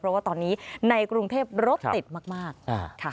เพราะว่าตอนนี้ในกรุงเทพรถติดมากค่ะ